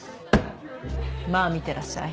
まぁ見てらっしゃい。